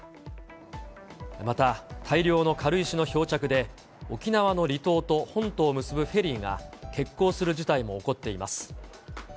また大量の軽石の漂着で、沖縄の離島と本島を結ぶフェリーが欠航する事態も起こっています。